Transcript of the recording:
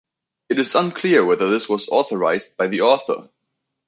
It is unclear whether this was authorized by the author.